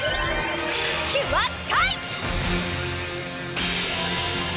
キュアスカイ！